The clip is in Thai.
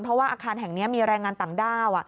เพราะว่าอาคารแห่งนี้มีแรงงานต่างด้าว